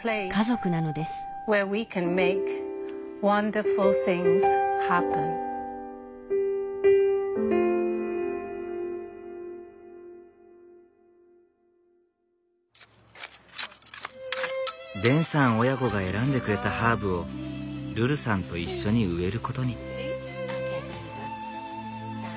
デンさん親子が選んでくれたハーブをルルさんと一緒に植えることに。